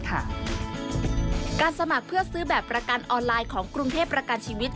การสมัครเพื่อซื้อแบบประกันออนไลน์ของกรุงเทพประกันชีวิต